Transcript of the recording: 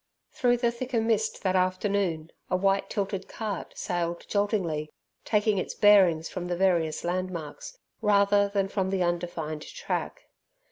Through the thicker mist that afternoon a white tilted cart sailed joltingly, taking its bearings from the various landmarks rather than from the undefined track.